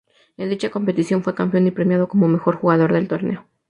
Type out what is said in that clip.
En dicha competición fue campeón y premiado como mejor jugador del torneo.